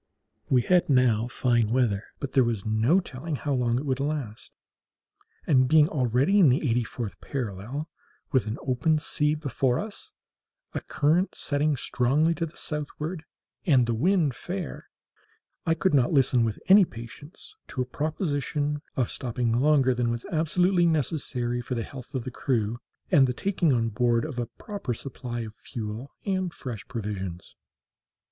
We had now fine weather, but there was no telling how long it would last; and being already in the eighty fourth parallel, with an open sea before us, a current setting strongly to the southward, and the wind fair, I could not listen with any patience to a proposition of stopping longer than was absolutely necessary for the health of the crew and the taking on board a proper supply of fuel and fresh provisions.